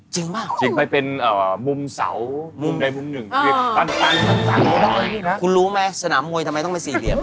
จริงป่ะคุณรู้ไหมสนามมวยทำไมต้องไปสี่เหลี่ยม